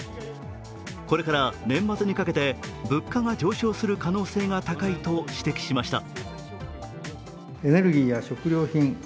これから年末にかけて、物価が上昇する可能性が高いと指摘しました。